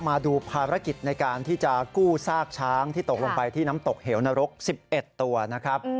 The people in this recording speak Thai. มาดูภารกิจในการที่จะกู้ซากช้างที่ตกลงไปที่น้ำตกเหวนรก๑๑ตัวนะครับ